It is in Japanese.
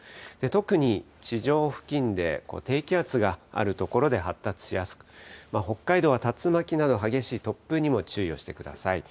特に地上付近で低気圧がある所で発達しやすく、北海道は竜巻など激しい突風にも注意をしてください。